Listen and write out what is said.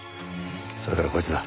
それからこいつだ。